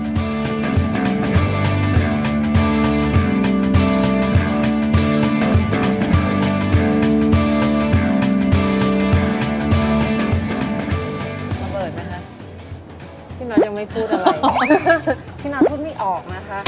ที่นัทพูดไม่ออกนะคะ